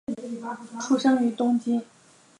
出生于东京。